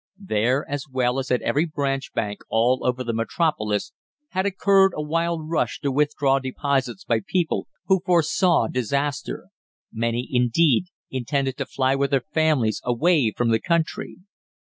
There, as well as at every branch bank all over the metropolis, had occurred a wild rush to withdraw deposits by people who foresaw disaster. Many, indeed, intended to fly with their families away from the country.